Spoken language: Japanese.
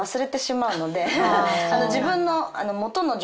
自分の。